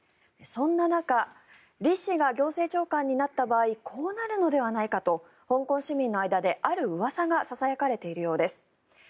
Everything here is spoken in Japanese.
そんな中リ氏が行政長官になった場合こうなるのではないかと香港市民の間であるうわさがささやかれているようです。